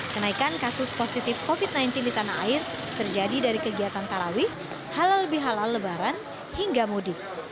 kenaikan kasus positif covid sembilan belas di tanah air terjadi dari kegiatan tarawih halal bihalal lebaran hingga mudik